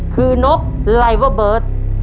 คือนกไลเวอร์เบิร์ต